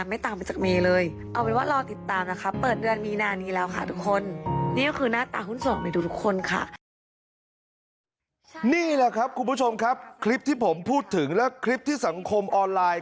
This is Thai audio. นี่แหละครับคุณผู้ชมครับคลิปที่ผมพูดถึงและคลิปที่สังคมออนไลน์